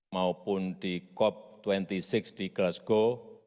dua ribu dua puluh maupun di cop dua puluh enam di glasgow